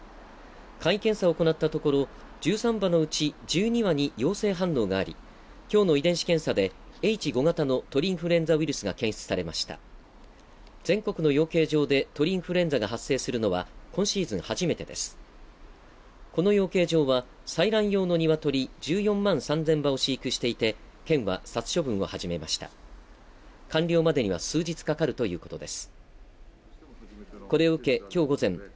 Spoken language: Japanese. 簡易検査を行ったところ１３羽のうち１２羽に陽性反応があり今日の遺伝子検査でＨ５型の鳥インフルエンザウイルスが検出されました全国の養鶏場で鳥インフルエンザが発生するのは今シーズン初めてですこの養鶏場は採卵用のニワトリ１４万３０００羽を飼育していて県は殺処分を始めました完了までには数日かかるということです